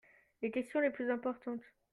Les questions les plus importantes.